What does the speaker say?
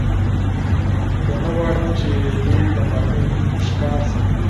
زه نه غواړم، چې د دوی د مرمۍ ښکار شم.